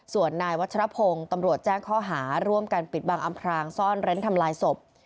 ส่วนนายวัชรพงศ์ตำรวจแจ้งข้อหาร่วมกันปิดบังอำพรางซ่อนเร้นทำลายศพ